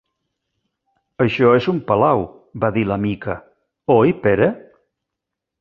Això és un palau —va dir la Mica—, oi Pere?